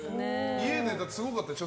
家で、すごかったでしょ。